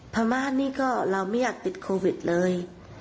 พม่านี่ก็เราไม่อยากติดโควิดเลย